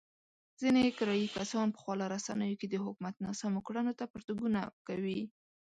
ځنې کرايي کسان په خواله رسينو کې د حکومت ناسمو کړنو ته پرتوګونه کوي.